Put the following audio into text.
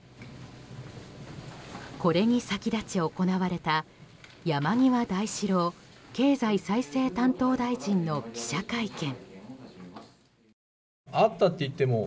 これに先立ち、行われた山際大志郎経済再生担当大臣の記者会見。